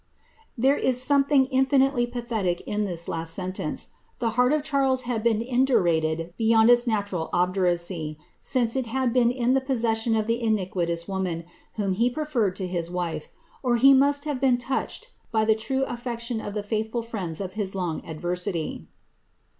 '' There 18 something infinitely pathetic in this last sentence. The heart of Charles had been indurated beyond its natural obduracy, since it had been in the possession of the iniquitous woman, whom he preferred to his wife, or he must have been touched by the true affection of the faith ful friends of his long adversity.